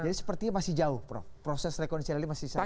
jadi sepertinya masih jauh prof proses rekonsiliasi masih jauh